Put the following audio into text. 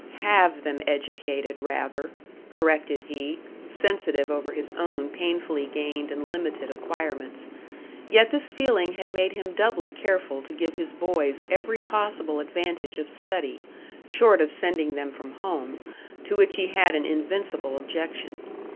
"Have them educated, rather," corrected he, sensitive over his own painfully gained and limited acquirements. Yet this feeling had made him doubly careful to give his boys every possible advantage of study, short of sending them from home, to which he had an invincible objection.